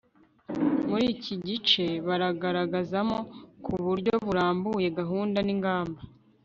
muri iki gice baragaragazamo, ku buryo burambuye, gahunda n'ingamba